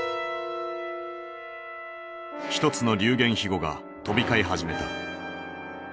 一つの流言飛語が飛び交い始めた。